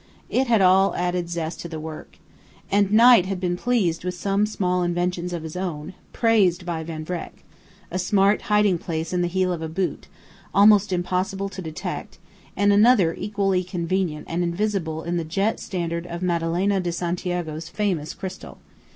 It had all added zest to the work. And Knight had been pleased with some small inventions of his own, praised by Van Vreck: a smart hiding place in the heel of a boot, almost impossible to detect, and another equally convenient and invisible in the jet standard of Madalena de Santiago's famous crystal.